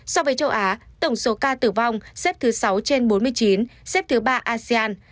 so với châu á tổng số ca tử vong xếp thứ sáu trên bốn mươi chín xếp thứ ba asean